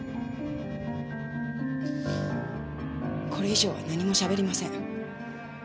これ以上は何もしゃべりません。